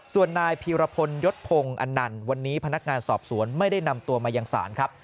ส่วนนายพีรพลยศพงศ์อนันต์วันนี้พนักงานสอบสวนไม่ได้นำตัวมายังศาลครับ